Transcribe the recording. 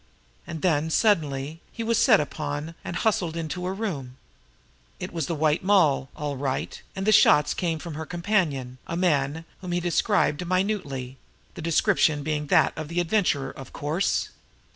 And then, suddenly, he was set upon and hustled into a room. It was the White Moll, all right; and the shots came from her companion, a man whom he described minutely the description being that of the Adventurer, of course.